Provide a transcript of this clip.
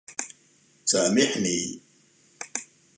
سامحني.